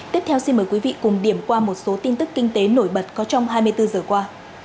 tiếp theo xin mời quý vị cùng điểm qua một số tin tức kinh tế nổi bật có trong hai mươi bốn giờ qua